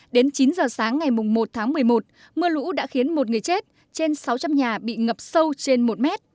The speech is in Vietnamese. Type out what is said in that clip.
đến chín giờ sáng ngày một tháng một mươi một mưa lũ đã khiến một người chết trên sáu trăm linh nhà bị ngập sâu trên một mét